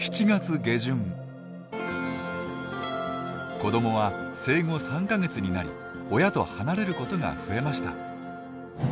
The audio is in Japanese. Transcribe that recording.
子どもは生後３か月になり親と離れることが増えました。